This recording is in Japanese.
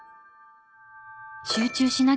「集中しなきゃ。